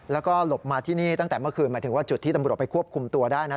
แล้วก็หลบมาที่นี่ตั้งแต่เมื่อคืนหมายถึงว่าจุดที่ตำรวจไปควบคุมตัวได้นะ